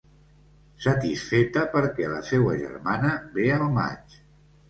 Satisfeta perquè la seua germana ve al maig.